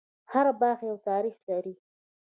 هر باغ یو تاریخ لري.